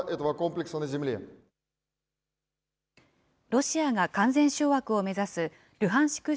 ロシアが完全掌握を目指すルハンシク